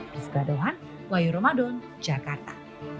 di segala doa wahyu ramadan jakarta